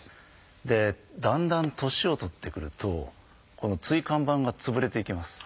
でだんだん年を取ってくるとこの椎間板が潰れていきます。